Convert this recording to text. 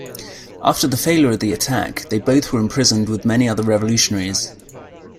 After the failure of the attack, they both were imprisoned with many other revolutionaries.